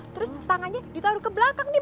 terus tangannya ditaruh ke belakang nih